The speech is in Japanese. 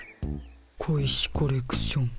小石コレクション。